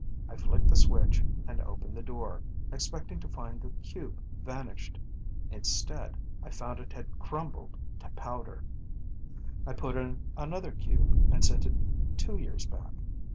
I flicked the switch and opened the door, expecting to find the cube vanished. Instead I found it had crumbled to powder. "I put in another cube and sent it two years back.